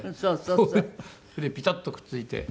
それでピタッとくっついて。